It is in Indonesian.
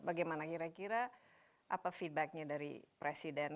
bagaimana kira kira apa feedbacknya dari presiden